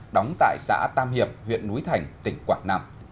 đóng tại xã tam hiệp huyện núi thành tỉnh quảng nam